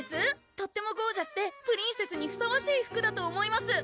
とってもゴージャスでプリンセスにふさわしい服だと思います！